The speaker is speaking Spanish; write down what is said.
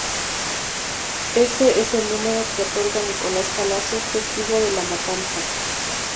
Ese es el número que otorga Nicolás Palacios, testigo de la matanza.